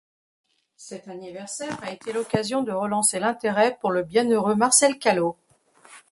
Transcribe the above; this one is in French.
Cet anniversaire a été l'occasion de relancer l'intérêt pour le bienheureux Marcel Callo.